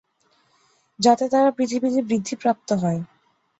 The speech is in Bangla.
যাতে তারা পৃথিবীতে বৃদ্ধিপ্রাপ্ত হয়।